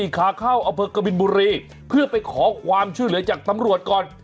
ขาเข้าอำเภอกบินบุรีเพื่อไปขอความช่วยเหลือจากตำรวจก่อน